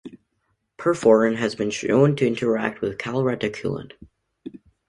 Perforin has been shown to interact with calreticulin.